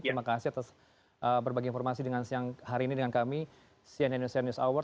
terima kasih atas berbagi informasi dengan siang hari ini dengan kami cnn indonesia news hour